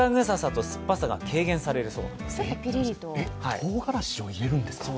とうがらしを入れるんですか？